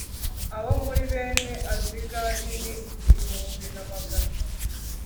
Abo muri bene Azigadi ni igihumbi na magana